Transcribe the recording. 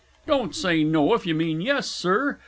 Don't say No, if you mean Yes, Sir.